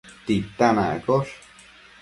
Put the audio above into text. titan accosh